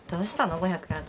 ５００円男。